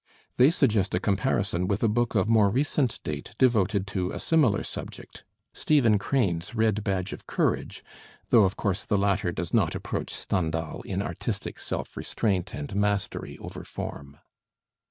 They suggest a comparison with a book of more recent date devoted to a similar subject, Stephen Crane's 'Red Badge of Courage,' though of course the latter does not approach Stendhal in artistic self restraint and mastery over form.